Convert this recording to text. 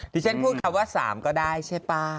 ที่เซนคุณกำลัว๓ก็ได้ใช่ป่าว